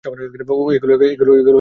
ওহ, এগুলো টেবিলে রাখো।